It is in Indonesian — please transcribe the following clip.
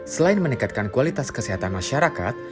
selain meningkatkan kualitas kesehatan masyarakat